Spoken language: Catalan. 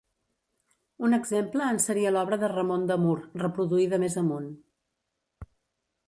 Un exemple en seria l'obra de Ramon de Mur reproduïda més amunt.